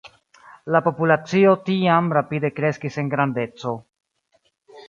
La populacio tiam rapide kreskis en grandeco.